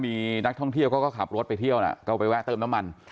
มีนักท่องเที่ยวเขาก็ขับรถไปเที่ยวนะก็ไปแวะเติมน้ำมัน